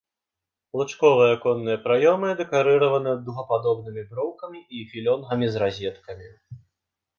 Лучковыя аконныя праёмы дэкарыраваны дугападобнымі броўкамі і філёнгамі з разеткамі.